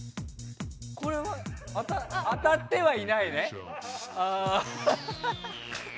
これは当たってはいないね。